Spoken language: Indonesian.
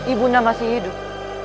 ibunda masih hidup